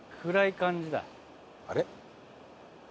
あれ？